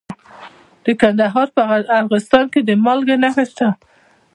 د کندهار په ارغستان کې د مالګې نښې شته.